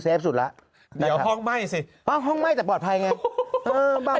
เซฟสุดล่ะเดี๋ยวห้องไหม้สิห้องไหม้แต่ปลอดภัยไงเออบ้าง